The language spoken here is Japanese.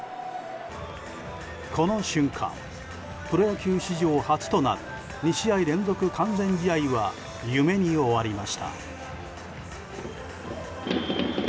この瞬間、プロ野球史上初となる２試合連続完全試合は夢に終わりました。